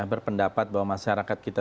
berpendapat bahwa masyarakat kita